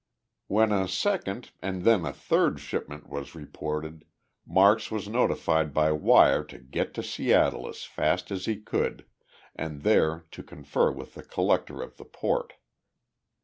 When a second and then a third shipment was reported, Marks was notified by wire to get to Seattle as fast as he could, and there to confer with the Collector of the Port.